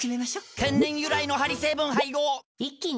天然由来のハリ成分配合一気に！